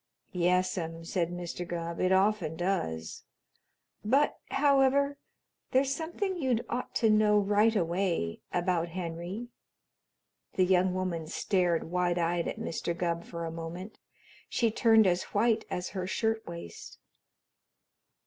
"Yes'm," said Mr. Gubb, "it often does. But, however, there's something you'd ought to know right away about Henry." The young woman stared wide eyed at Mr. Gubb for a moment; she turned as white as her shirtwaist.